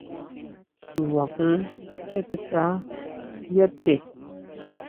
Chuba jon chasʼetʼa yá te.